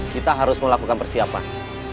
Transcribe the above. kita harus melakukan persiapan